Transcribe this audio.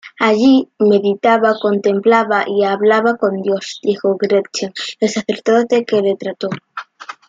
Allí "meditaba, contemplaba y hablaba con Dios", dijo Gretchen, el sacerdote que le trató.